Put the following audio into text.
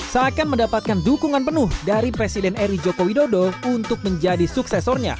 seakan mendapatkan dukungan penuh dari presiden eri joko widodo untuk menjadi suksesornya